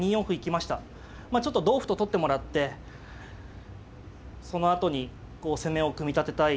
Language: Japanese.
まあちょっと同歩と取ってもらってそのあとにこう攻めを組み立てたい。